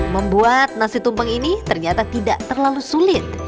membuat nasi tumpeng ini ternyata tidak terlalu sulit